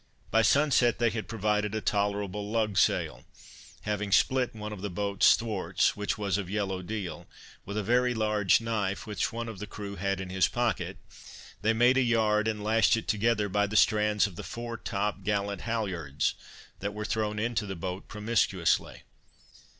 By sunset they had provided a tolerable lug sail; having split one of the boat's thwarts, (which was of yellow deal,) with a very large knife, which one of the crew had in his pocket, they made a yard and lashed it together by the strands of the fore top gallant halyards, that were thrown into the boat promiscuously.